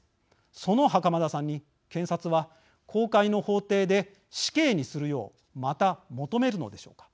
その袴田さんに、検察は公開の法廷で死刑にするようまた求めるのでしょうか。